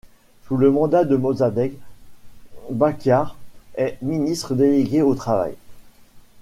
Sous le mandat de Mossadegh, Bakhtiar est ministre délégué au travail.